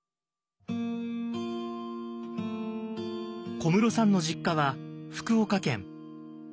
小室さんの実家は福岡県。